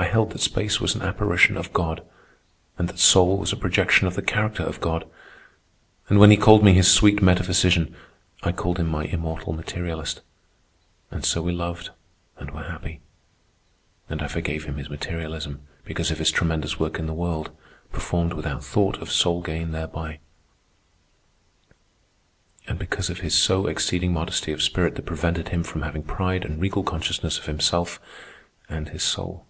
I held that space was an apparition of God, and that soul was a projection of the character of God; and when he called me his sweet metaphysician, I called him my immortal materialist. And so we loved and were happy; and I forgave him his materialism because of his tremendous work in the world, performed without thought of soul gain thereby, and because of his so exceeding modesty of spirit that prevented him from having pride and regal consciousness of himself and his soul.